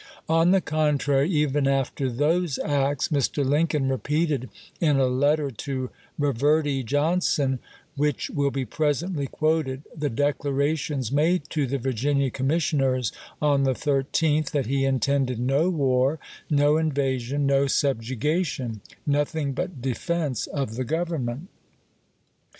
On the contrary, even after those acts, Mr. Lin coln repeated in a letter to Reverdy Johnson, which will be presently quoted, the declarations made to the Virginia commissioners on the 13th, that he intended no war, no invasion, no subjuga tion — nothing but defense of the Grovernment.